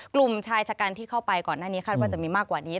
กลุ่มชายชะกันที่เข้าไปก่อนหน้านี้คาดว่าจะมีมากกว่านี้